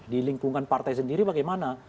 di lingkungan partai sendiri bagaimana